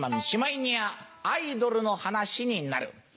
しまいにはアイドルの話になる。